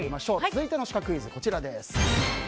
続いてのシカクイズはこちら。